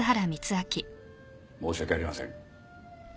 申し訳ありません。